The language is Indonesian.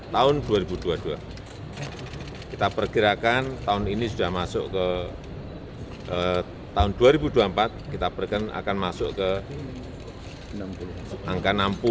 tahun dua ribu dua puluh dua kita perkirakan tahun ini sudah masuk ke tahun dua ribu dua puluh empat kita perkirakan akan masuk ke angka enam puluh